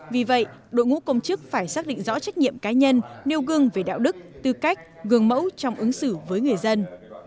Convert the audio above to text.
vì vậy đội ngũ công chức phải xác định rõ trách nhiệm cá nhân nêu gương về đạo đức tư cách gương mẫu trong ứng xử với người dân